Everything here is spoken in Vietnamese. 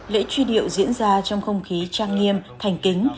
lễ truy điệu diễn ra trong không khí trang nghiêm thành kính